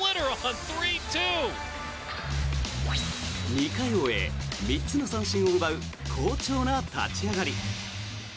２回を終え、３つの三振を奪う好調な立ち上がり。